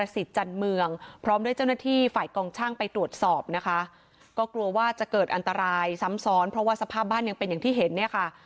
สิทธิ์จันเมืองพร้อมด้วยเจ้าหน้าที่ฝ่ายกองช่างไปตรวจสอบนะคะก็กลัวว่าจะเกิดอันตรายซ้ำซ้อนเพราะว่าสภาพบ้านยังเป็นอย่างที่เห็นเนี่ยค่ะ